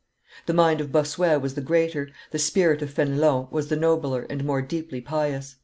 The mind of Bossuet was the greater; the spirit of Fenelon was the nobler and more deeply pious.